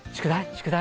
宿題？